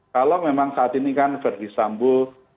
kalau memang saat ini kan verdi sambo